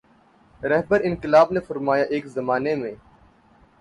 رہبرانقلاب نے فرمایا ایک زمانے میں